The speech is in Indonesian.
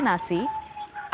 kepada warga yang divaksinasi